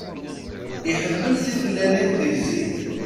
Iḥemmel timellalin di zzit.